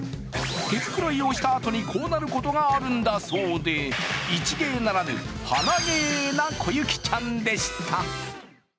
毛繕いをしたあとにこうなることがあるんだそうで一芸ならぬ鼻芸な、こゆきちゃんでした。